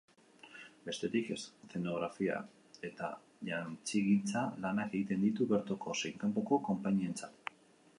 Bestetik, eszenografia eta jantzigintza lanak egiten ditu, bertoko zein kanpoko konpainientzat.